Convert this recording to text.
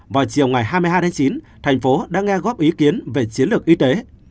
vào chiều ngày hai mươi hai chín tp hcm đã nghe góp ý kiến về chiến lược y tế